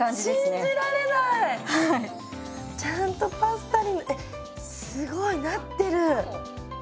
信じられない！ちゃんとパスタにえっすごいなってる。